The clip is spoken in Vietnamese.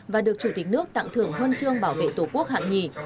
và được chủ tịch nước tặng thưởng huân chương bảo vệ tổ quốc hạng nhì